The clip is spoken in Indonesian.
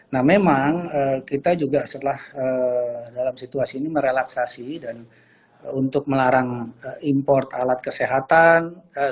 nah memang kita juga setelah dalam situasi ini merelaksasi dan untuk melarang import alat kesehatan